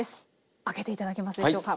開けて頂けますでしょうか。